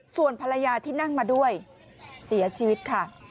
ส่วนภรรยาที่นั่งมาด้วยเสียชีวิตค่ะ